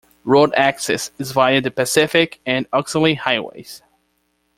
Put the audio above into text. Road access is via the Pacific and Oxley Highways.